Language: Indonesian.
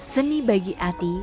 seni bagi ati